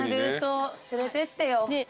連れてってよ。